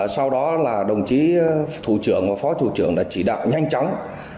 sau đó là đồng chí thủ trưởng và phó thủ trưởng đã chỉ đạo nhanh chóng